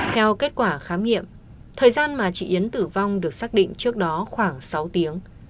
theo kết quả khám nghiệm thời gian mà chị yến tử vong được xác định trước đó khoảng sáu tiếng